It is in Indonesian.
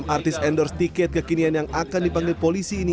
artis endorse tiket kekinian yang akan dipanggil polisi ini